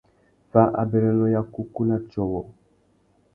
Fá abérénô ya kúkú na tiô wôō.